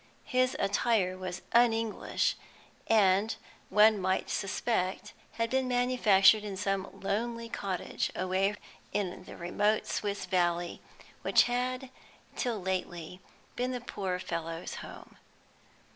His attire was un English, and, one might suspect, had been manufactured in some lonely cottage away in the remote Swiss valley which had till lately been the poor fellow's home.